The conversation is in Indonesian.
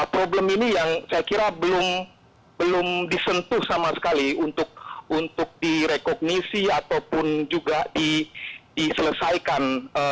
problem ini yang saya kira belum disentuh sama sekali untuk direkognisi ataupun juga diselesaikan